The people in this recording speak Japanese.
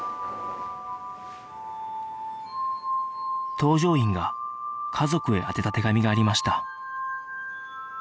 搭乗員が家族へ宛てた手紙がありました